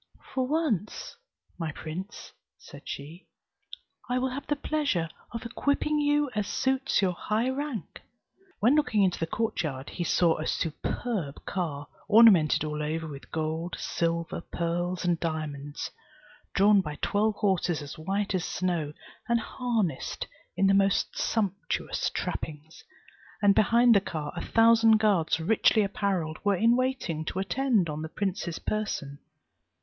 "For once, my prince," said she, "I will have the pleasure of equipping you as suits your high rank;" when looking into the court yard, he saw a superb car, ornamented all over with gold, silver, pearls and diamonds, drawn by twelve horses as white as snow, and harnessed in the most sumptuous trappings; and behind the car a thousand guards richly apparelled were in waiting to attend on the prince's person.